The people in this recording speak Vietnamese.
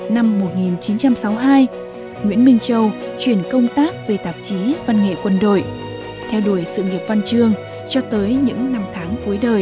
năm một nghìn chín trăm sáu mươi hai nguyễn minh châu chuyển công tác về tạp chí văn nghệ quân đội theo đuổi sự nghiệp văn chương cho tới những năm tháng cuối đời